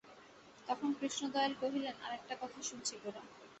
তখন কৃষ্ণদয়াল কহিলেন, আর-একটা কথা শুনছি গোরা।